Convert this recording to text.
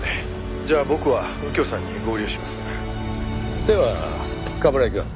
じゃあ僕は右京さんに合流します」では冠城くん。